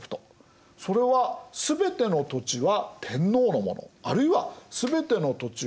それは全ての土地は天皇のものあるいは全ての土地は国家のもの。